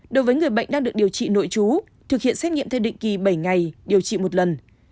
đối với người bệnh đang được điều trị nội chú thực hiện xét nghiệm theo định kỳ bảy ngày điều trị một lần